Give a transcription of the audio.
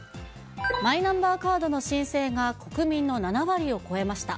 マイナンバーカードの申請が国民の７割を超えました。